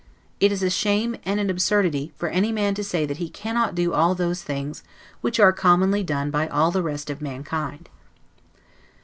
It is a shame and an absurdity, for any man to say that he cannot do all those things, which are commonly done by all the rest of mankind.